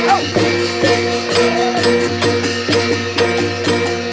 สวัสดีครับ